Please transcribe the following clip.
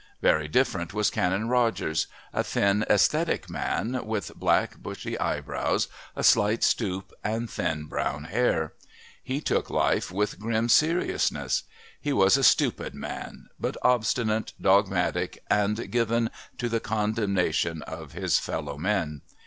Very different was Canon Rogers, a thin esthetic man with black bushy eyebrows, a slight stoop and thin brown hair. He took life with grim seriousness. He was a stupid man but obstinate, dogmatic, and given to the condemnation of his fellow men.